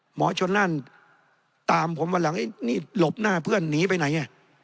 หมอชนนั่นตามผมวันหลังนี่หลบหน้าเพื่อนหนีไปไหน